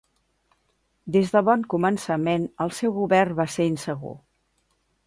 Des de bon començament, el seu govern va ser insegur.